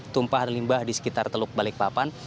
tumpahan limbah di sekitar teluk balikpapan